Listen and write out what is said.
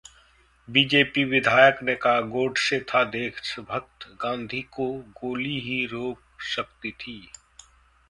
BJP विधायक ने कहा-गोडसे था देशभक्त, गांधी को गोली ही रोक सकती थी